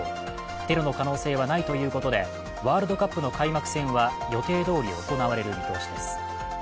テロの可能性はないとのことでワールドカップの開幕戦は予定どおり行われる見通しです。